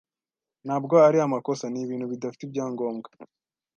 Ntabwo ari amakosa, ni ibintu bidafite ibyangombwa.